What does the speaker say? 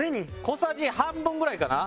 小さじ半分ぐらいかな？